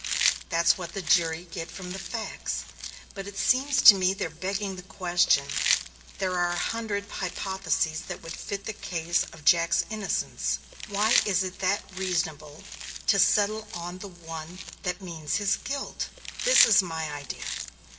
That's what the jury get from the facts, but it seems to me they're begging the question. There are a hundred hypotheses that would fit the case of Jack's innocence why is it reasonable to settle on the one that means his guilt? This is my idea.